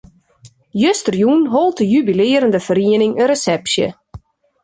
Justerjûn hold de jubilearjende feriening in resepsje.